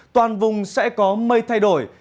toàn vùng sẽ có mây thay đổi